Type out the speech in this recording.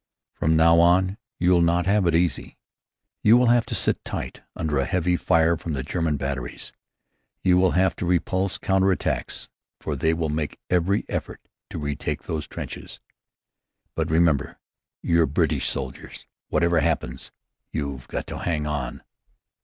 From now on you'll not have it easy. You will have to sit tight under a heavy fire from the German batteries. You will have to repulse counter attacks, for they will make every effort to retake those trenches. But remember! You're British soldiers! Whatever happens you've got to hang on!"